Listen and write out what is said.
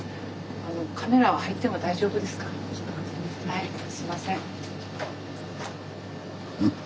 はいすいません。